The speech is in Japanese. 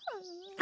あ。